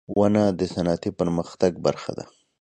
• ونه د صنعتي پرمختګ برخه ده.